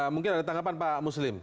mungkin ada tanggapan pak muslim